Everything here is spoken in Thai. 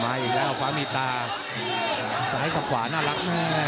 มาอีกแล้วข้างมีตาซ้ายกับกลางดูมากแน่